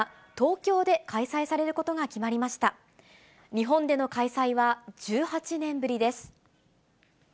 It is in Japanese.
日本での開催は１８年ぶりです。